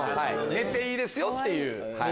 寝ていいですよ！っていう。